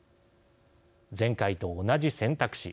前回と同じ選択肢